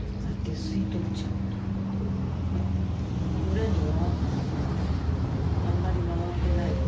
裏にはあんまりまわってないよ